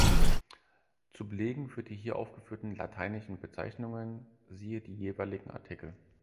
Zu Belegen für die hier aufgeführten lateinischen Bezeichnungen siehe die jeweiligen Artikel.